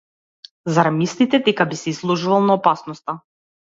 Зарем мислите дека би се изложувал на опасноста?